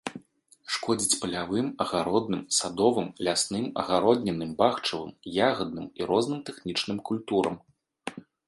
Шкодзіць палявым, агародным, садовым, лясным, агароднінным, бахчавым, ягадным і розным тэхнічным культурам.